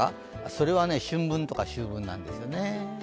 それは春分とか秋分なんですよね。